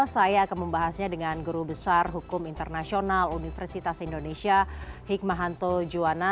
saya akan membahasnya dengan guru besar hukum internasional universitas indonesia hikmahanto juwana